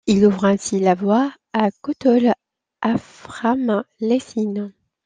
Il ouvre ainsi la voie à Gotthold Ephraim Lessing.